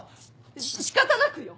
しっ仕方なくよ！